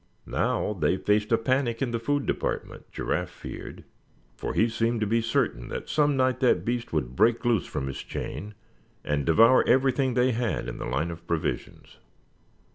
Now they faced a panic in the food department, Giraffe feared; for he seemed to be certain that some night that beast would break loose from his chain, and devour everything they had in the line of provisions.